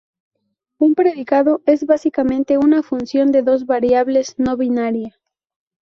Un predicado es básicamente una función de dos variables no binarias.